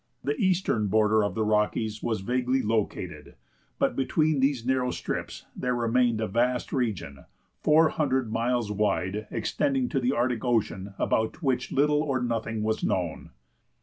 The eastern border of the Rockies was vaguely located, but between these narrow strips there remained a vast region, four hundred miles wide, extending to the Arctic Ocean, about which little or nothing was known.